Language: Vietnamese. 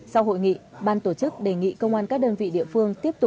sau hội nghị ban tổ chức đề nghị công an các đơn vị địa phương